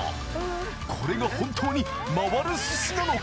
これが本当に回る寿司なのか？